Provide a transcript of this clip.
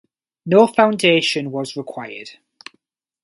No foundation was required.